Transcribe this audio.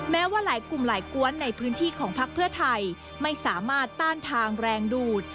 แม้ว่าหลายกลุ่มหลายกวนในพื้นที่ของพักเพื่อไทยไม่สามารถต้านทางแรงดูด